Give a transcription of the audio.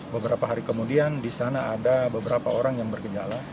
beberapa hari kemudian di sana ada beberapa orang yang bergejala